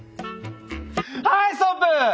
はいストップ！